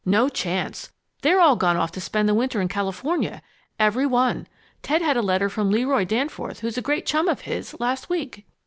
"No chance. They've all gone off to spend the winter in California every one. Ted had a letter from Leroy Danforth, who is a great chum of his, last week."